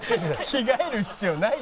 着替える必要ない。